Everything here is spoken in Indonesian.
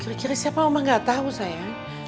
kira kira siapa oma gak tau sayang